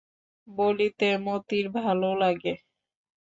বলিতে মতির ভালো লাগে।